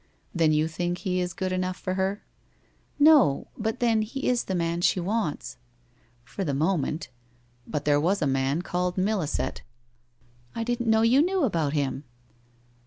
' Then you think he is good enough for her? ' 1 No, but then he is the man she wants.' 1 For the moment. But there was a man called Milli set '* I didn't know you knew about him?